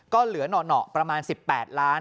ก็เหลือน่อประมาณ๑๘๑๕๒๐๐๐บาท